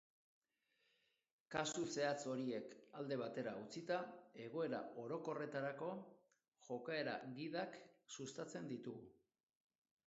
Kasu zehatz horiek alde batera utzita, egoera orokorretarako jokaera gidak sustatzen ditugu.